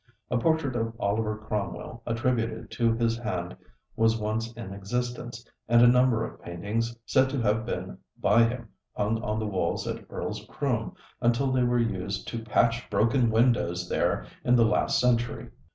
A portrait of Oliver Cromwell attributed to his hand was once in existence, and a number of paintings, said to have been by him, hung on the walls at Earl's Croombe until they were used to patch broken windows there in the last century.